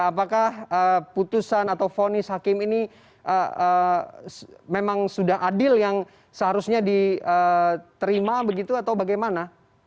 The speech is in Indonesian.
apakah putusan atau fonis hakim ini memang sudah adil yang seharusnya diterima begitu atau bagaimana